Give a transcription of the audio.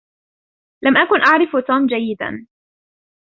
لم أكن أعرف توم جيّدا.